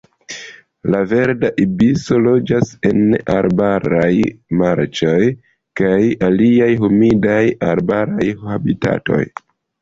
La Verda ibiso loĝas en arbaraj marĉoj kaj aliaj humidaj arbaraj habitatoj.